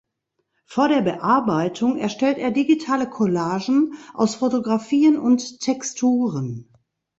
Vor der Bearbeitung erstellt er digitale Collagen aus Fotografien und Texturen.